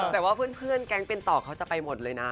แต้ว่าเพื่อนแก๊งเปญร์ตอกจะไปหมดเลยนะ